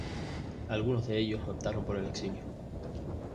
Algunos de ellos optaron por el exilio.